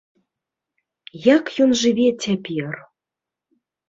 Як ён жыве цяпер?